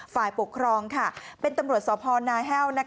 ฝ่ายปกครองค่ะเป็นตำรวจสนแฮ่ว